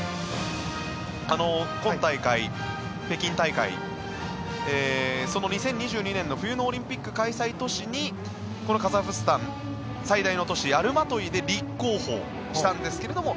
今大会、北京大会その２０２２年の冬のオリンピック開催都市にこのカザフスタン最大の都市アルマトイで立候補したんですが